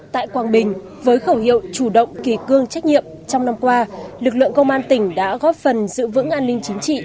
tại quảng bình với khẩu hiệu chủ động kỳ cương trách nhiệm trong năm qua lực lượng công an tỉnh đã góp phần giữ vững an ninh chính trị